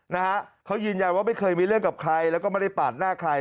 นะฮะเขายืนยันว่าไม่เคยมีเรื่องกับใครแล้วก็ไม่ได้ปาดหน้าใคร